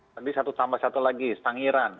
nanti satu tambah satu lagi sangiran